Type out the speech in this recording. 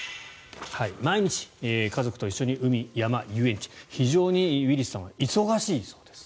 毎日、家族と一緒に海、山、遊園地非常にウィリスさんは忙しいそうです。